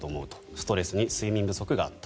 ストレスに睡眠不足があった。